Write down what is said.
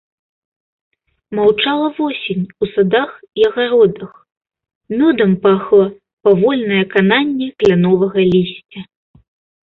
Маўчала восень у садах і агародах, мёдам пахла павольнае кананне кляновага лісця.